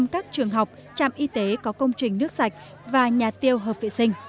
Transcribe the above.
một trăm linh các trường học trạm y tế có công trình nước sạch và nhà tiêu hợp vệ sinh